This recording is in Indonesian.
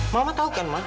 mama tahu kan ma